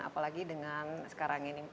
apalagi dengan sekarang ini